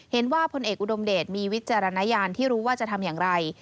เห็นว่าพลเอกอุดมเดชมีวิจารณญาณที่รู้ว่าจะทำอย่างไร